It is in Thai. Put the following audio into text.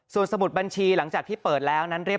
ส่วนสมุดด้านบัญชีหลังจากที่เปิดแล้ว